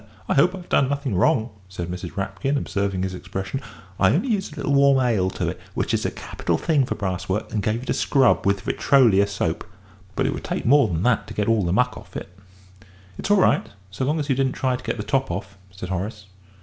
"I hope I've done nothing wrong," said Mrs. Rapkin, observing his expression; "I only used a little warm ale to it, which is a capital thing for brass work, and gave it a scrub with 'Vitrolia' soap but it would take more than that to get all the muck off of it." "It is all right, so long as you didn't try to get the top off," said Horace.